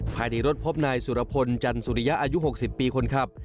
ภายในรถพบนายสุรพลจันสุริยะอายุ๖๐ปีคนขับ